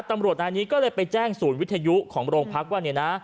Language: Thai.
ตำรวจนายนี้ก็เลยไปแจ้งศูนย์วิทยุของโรงพักว่าเนี่ยนะ